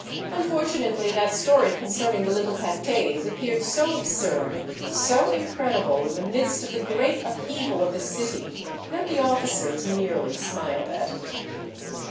Unfortunately, that story concerning the little pat^s appeared so ab surd, so incredible, in the midst of the great upheaval of the city, that the officers merely smiled at it.